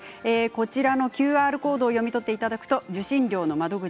こちらのＱＲコードを読み取っていただくと受信料の窓口